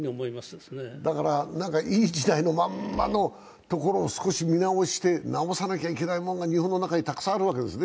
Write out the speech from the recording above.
いい時代のままのところを少し見直して、直さなきゃいけないものが日本の中にたくさんあるわけですね。